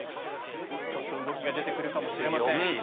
ちょっと動きが出て来るかもしれません。